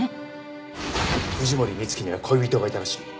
藤森充希には恋人がいたらしい。